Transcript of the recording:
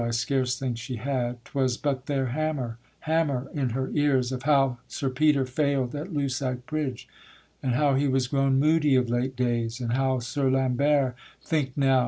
I scarce think she had, 'Twas but their hammer, hammer in her ears, Of how Sir Peter fail'd at Lusac Bridge: And how he was grown moody of late days; And how Sir Lambert, think now!